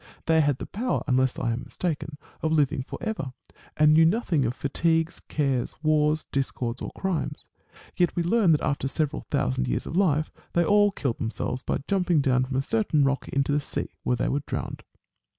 They had the power, unless I am mistaken, of living for ever, and knew nothing of fatigues, cares, wars, discords, or crimes. Yet we learn that after several thousand years of life, they all killed themselves by jumping from a certain rock into the sea, where they were drowned.